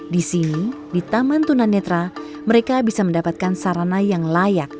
di sini di taman tunanetra mereka bisa mendapatkan sarana yang layak